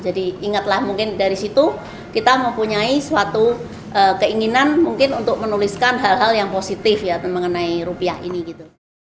jadi ingatlah mungkin dari situ kita mempunyai suatu keinginan mungkin untuk menuliskan hal hal yang positif ya mengenai rupiah ini gitu